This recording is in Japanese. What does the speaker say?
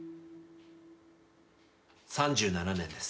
３７年です。